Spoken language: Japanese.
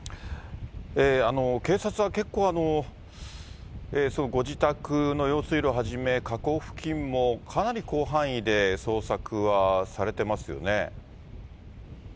警察は結構、ご自宅の用水路をはじめ河口付近もかなり広範囲で捜索はされてますよね。